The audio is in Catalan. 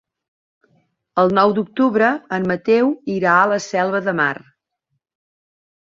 El nou d'octubre en Mateu irà a la Selva de Mar.